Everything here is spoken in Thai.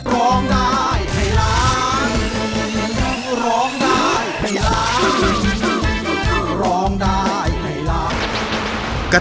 ร้องได้ให้ล้างร้องได้ให้ล้างร้องได้ให้ล้าง